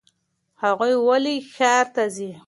هغوی ولې ښار ته ځي؟